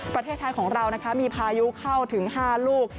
ประเทศไทยของเรามีพายุเข้าถึง๕ลูก